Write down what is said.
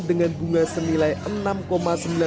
dengan bunga senilai emosi